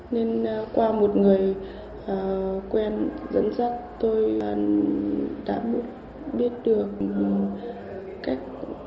nên qua một người quen dẫn dắt tôi đã biết được cách